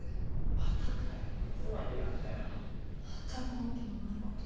また根拠のないことを。